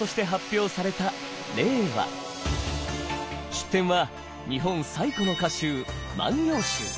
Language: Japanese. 出典は日本最古の歌集「万葉集」。